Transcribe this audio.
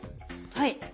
はい。